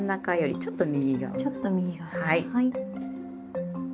ちょっと右側。